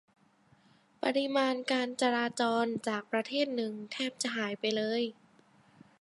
ปริมาณการจราจรจากประเทศหนึ่งแทบจะหายไปเลย